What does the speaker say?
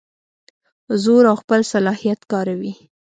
زور او خپل صلاحیت کاروي.